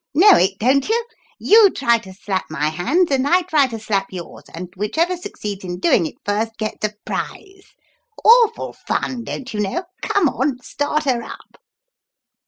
Know it, don't you? You try to slap my hands, and I try to slap yours, and whichever succeeds in doing it first gets a prize. Awful fun, don't you know. Come on start her up."